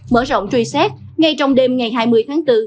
mở rộng truy xét ngay trong đêm ngày hai mươi tháng bốn